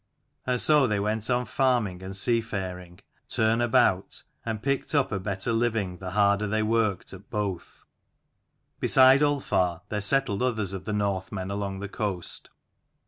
And so they went on farming and seafaring, turn about, and picked up a better living the harder they worked at both. Beside Ulfar there settled others of the Northmen along the coast.